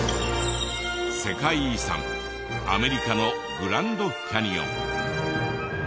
世界遺産アメリカのグランドキャニオン。